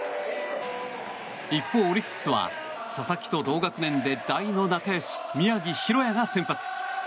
一方、オリックスは佐々木と同学年で大の仲よし宮城大弥が先発。